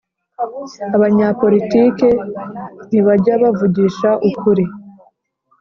Abanya politike ntibajya bavugisha ukuri